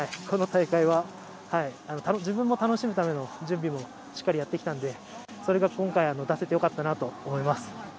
この大会は自分も楽しむための準備もしっかりやってきたので出せてよかったと思います。